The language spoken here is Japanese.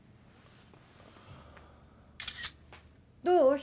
どう？